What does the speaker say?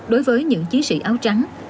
đối với những chiến sĩ áo trắng